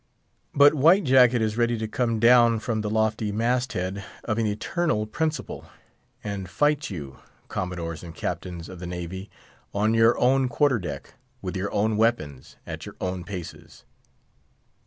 But White Jacket is ready to come down from the lofty mast head of an eternal principle, and fight you—Commodores and Captains of the navy—on your own quarter deck, with your own weapons, at your own paces.